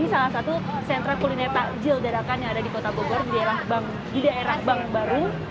ini salah satu sentra kuliner takjil darakan yang ada di kota bogor di daerah baru